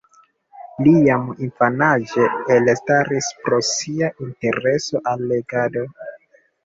Li jam infanaĝe elstaris pro sia intereso al legado.